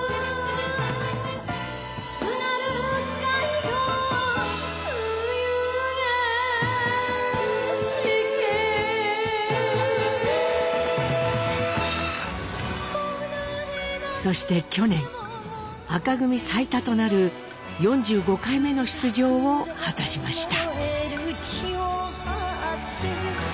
津軽海峡冬景色」そして去年紅組最多となる４５回目の出場を果たしました。